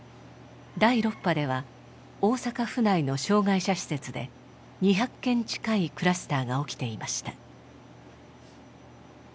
第６波では大阪府内の障害者施設で２００件近いクラスターが起きていました。